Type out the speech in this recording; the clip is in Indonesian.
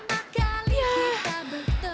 tunggu dulu pak